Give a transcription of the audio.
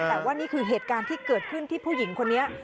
แต่ว่านี่คือเหตุการณ์ที่เกิดขึ้นที่ผู้หญิงคนนี้